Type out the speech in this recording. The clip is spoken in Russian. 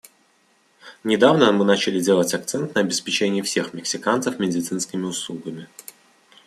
Недавно мы начали делать акцент на обеспечении всех мексиканцев медицинскими услугами.